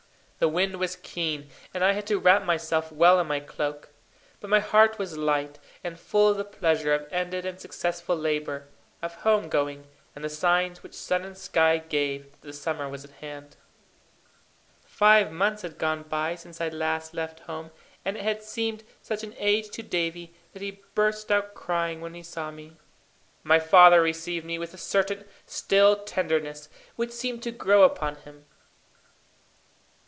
The wind was keen, and I had to wrap myself well in my cloak. But my heart was light, and full of the pleasure of ended and successful labour, of home going, and the signs which sun and sky gave that the summer was at hand. Five months had gone by since I last left home, and it had seemed such an age to Davie, that he burst out crying when he saw me. My father received me with a certain still tenderness, which seemed to grow upon him.